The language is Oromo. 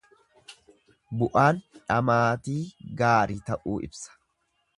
Bu'aan dhamaatii gaari ta'uu ibsa.